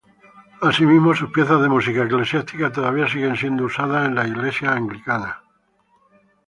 Asimismo, sus piezas de música eclesiástica todavía siguen siendo usadas en Iglesias Anglicanas.